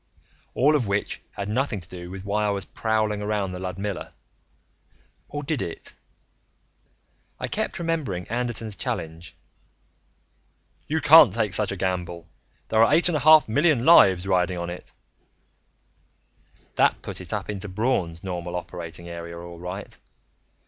All of which had nothing to do with why I was prowling around the Ludmilla or did it? I kept remembering Anderton's challenge: "You can't take such a gamble. There are eight and a half million lives riding on it " That put it up into Braun's normal operating area, all right.